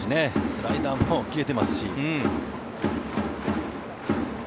スライダーも切れてますし。